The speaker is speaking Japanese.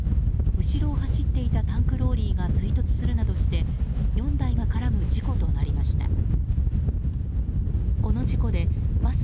後ろを走っていたタンクローリーが追突するなどして４台が絡む事故となりました。